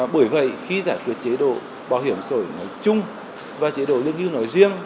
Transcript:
bởi vậy khi giải quyết chế độ bảo hiểm xã hội nói chung và chế độ lương hưu nói riêng